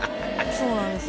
そうなんですよ